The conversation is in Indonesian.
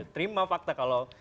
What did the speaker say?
terima fakta kalau